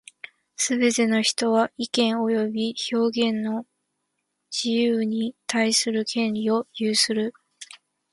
すべて人は、意見及び表現の自由に対する権利を有する。